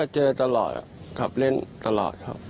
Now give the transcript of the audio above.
เจอตลอดขับเล่นตลอดครับ